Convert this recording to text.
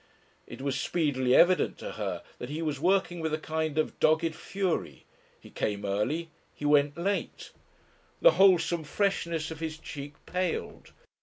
It was speedily evident to her that he was working with a kind of dogged fury; he came early, he went late. The wholesome freshness of his cheek paled.